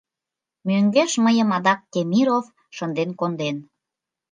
Мӧҥгеш мыйым адак Темиров шынден конден.